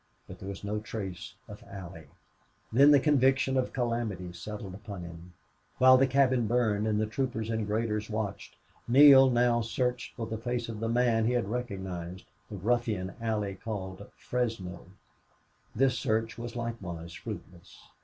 But there was no trace of Allie. Then the conviction of calamity settled upon him. While the cabin burned, and the troopers and graders watched, Neale now searched for the face of the man he had recognized the ruffian Allie called Fresno. This search was likewise fruitless.